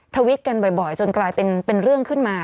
ทวิตกันบ่อยจนกลายเป็นเรื่องขึ้นมา